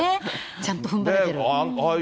ちゃんとふんばれてる。